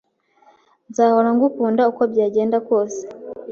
Nzahora ngukunda, uko byagenda kose